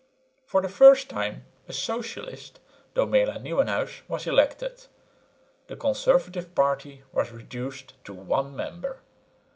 For the first time a socialist, Domela Nieuwenhuis, was elected. The conservative party was reduced to one member.